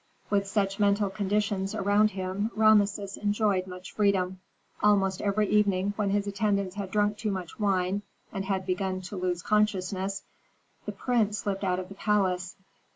With such mental conditions around him Rameses enjoyed much freedom. Almost every evening when his attendants had drunk too much wine and had begun to lose consciousness, the prince slipped out of the palace.